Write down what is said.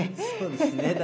そうですね